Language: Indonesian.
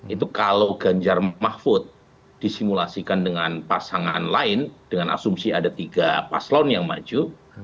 itu kalau ganjar mahfud disimulasikan dengan pasangan lain dengan asumsi ada tiga paslon yang maju